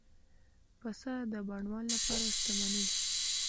پسه د بڼوال لپاره شتمني ده.